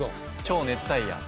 超熱帯夜。